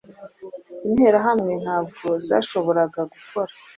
Interahamwe ntabwo zashoboraga gukora